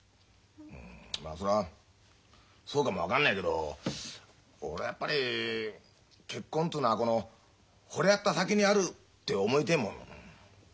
まあそりゃあそうかも分かんねえけど俺やっぱり結婚つうのはこのほれ合った先にあるって思いてえもん。